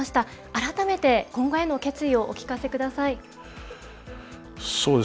改めて、今後への決意をお聞かせください。